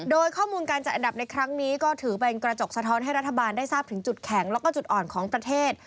โดยข้อมูลการจัดอันดับในครั้งนี้ก็ถือเป็นกระจกสะท้อนให้รัฐบาลได้ทราบถึงจุดแข็งแล้วก็จุดอ่อนของประเทศ